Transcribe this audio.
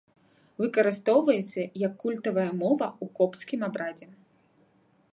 Выкарыстоўваецца як культавая мова ў копцкім абрадзе.